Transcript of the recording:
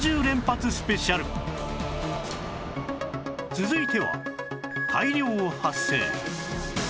続いては大量発生